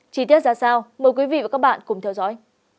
chi tiết ra sao mời quý vị và các bạn cùng theo dõi